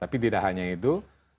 tapi tidak hanya itu